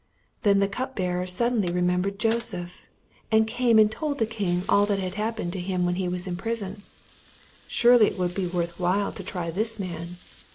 Then the cup bearer suddenly remembered Joseph, and came and told the king all that had happened to him when he was in prison. Surely it would be worth while to try this man.